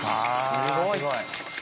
すごい！